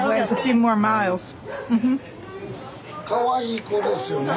かわいい子ですよね。